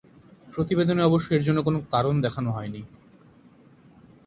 প্রতিবেদনে অবশ্য এরজন্য কোন কারণ দেখানো হয়নি।